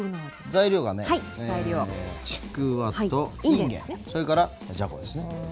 材料がねちくわといんげんそれからじゃこですね。